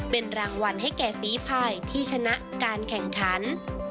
เป็นรางวัลให้แก่ฝีภายที่ชนะการแข่งขัน